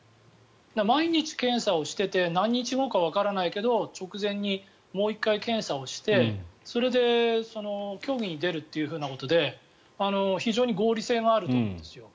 毎日検査をしてて何日後かわからないけど直前にもう１回検査をしてそれで競技に出るということで非常に合理性があると思うんですよ。